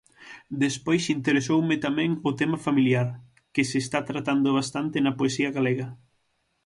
Despois interesoume tamén o tema familiar, que se está tratando bastante na poesía galega.